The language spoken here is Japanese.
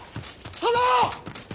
殿！